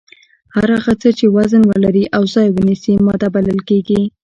هر هغه څه چې وزن ولري او ځای ونیسي ماده بلل کیږي.